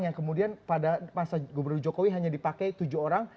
yang kemudian pada masa gubernur jokowi hanya dipakai tujuh orang